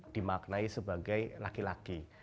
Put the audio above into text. dimaknai sebagai laki laki